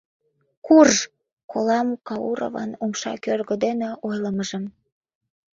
Курж! — колам Кауровын умша кӧргӧ дене ойлымыжым.